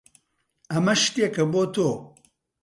ئەمە شتێکە بۆ تۆ.